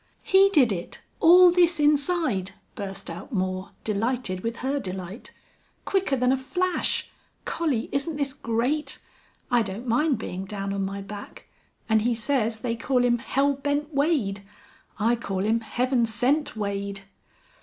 "He did it all this inside," burst out Moore, delighted with her delight. "Quicker than a flash! Collie, isn't this great? I don't mind being down on my back. And he says they call him Hell Bent Wade. I call him Heaven Sent Wade!"